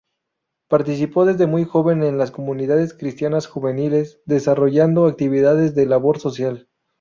Participó desde muy joven en las comunidades cristianas juveniles, desarrollando actividades de labor social.